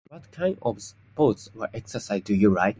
What kind of sports or exercise do you like?